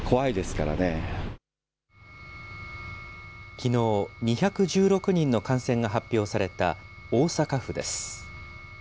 きのう、２１６人の感染が発表された大阪府です。